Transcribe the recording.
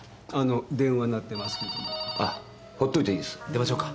出ましょうか？